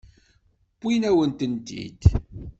Wwin-awen-tent-id.